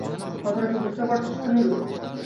কথাটা কী বুঝতে পারছিস তো নীরু?